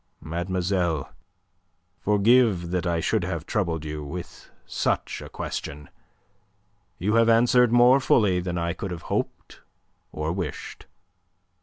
"Mademoiselle, forgive that I should have troubled you with such a question. You have answered more fully than I could have hoped or wished."